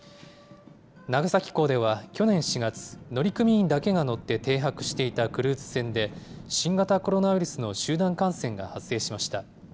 長崎港では去年４月、乗組員だけが乗って停泊していたクルーズ船で、新型コロナウイルスの集団感染が発生しました。